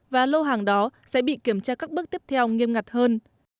và lô hàng đó sẽ bị kiểm tra các bước tiếp theo nghiêm ngặt hơn